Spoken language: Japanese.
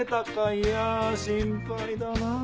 いや心配だなあ。